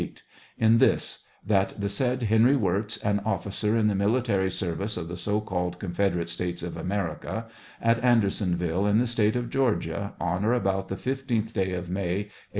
— In this : that the said Henry Wirz, an officer in the military service of the so called Confederate States of America, at Andersonville, in the State of Georgia, on or about the fifteenth day of May, A.